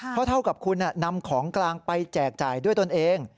เพราะเท่ากับคุณนำของกลางไปแจกจ่ายด้วยตนเอง